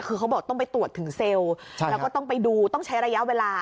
คือเขาบอกต้องไปตรวจถึงเซลล์แล้วก็ต้องไปดูต้องใช้ระยะเวลา